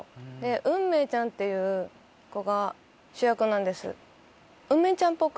運命ちゃんっていう子が主役なんです。